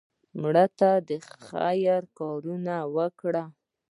مړه ته د خیر کارونه وکړه